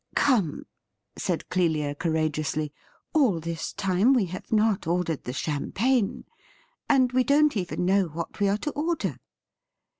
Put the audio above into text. ' Come,' said Clelia courageously ;' all this time we have not ordered the champagne, and we don't even know what we are to order.